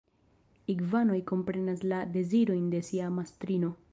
Igvanoj komprenas la dezirojn de sia mastrino.